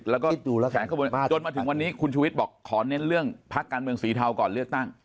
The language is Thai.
แล้วก็จนมาถึงวันนี้คุณชุวิตบอกขอเน้นเรื่องพักการเมืองสีเทาก่อนเลือกตั้ง